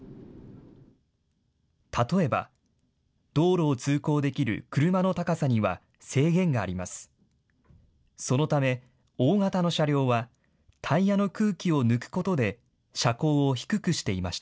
例えば、道路を通行できる車の高さには制限があります。